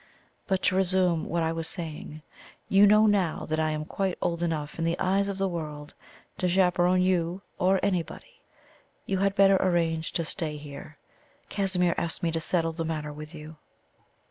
But to resume what I was saying, you know now that I am quite old enough in the eyes of the world to chaperon you or anybody. You had better arrange to stay here. Casimir asked me to settle the matter with, you."